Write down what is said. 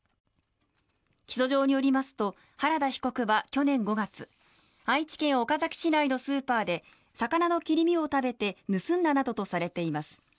起訴状によりますと原田被告は去年５月愛知県岡崎市内のスーパーで魚の切り身を食べて盗んだなどとされています。